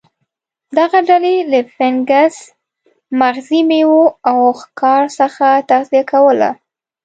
دغه ډلې له فنګس، مغزي میوو او ښکار څخه تغذیه کوله.